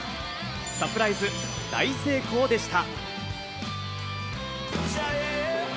サプライズ大成功でした。